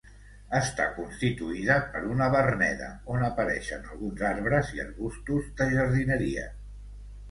Està constituïda per una verneda on apareixen alguns arbres i arbustos de jardineria.